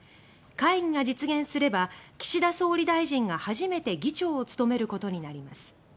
会議が実現すれば岸田総理大臣が初めて議長を務めることになります。